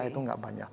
nah itu gak banyak